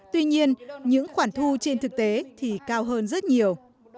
tuy nhiên những khoản thu trên thực tế thì cao hơn rất nhiều